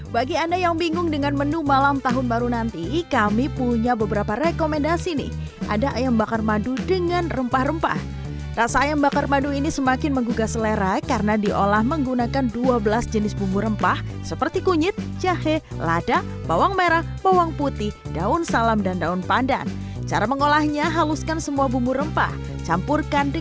bagaimana cara mengolah ayam bakar madu